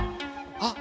あっ